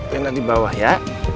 rena di bawah ya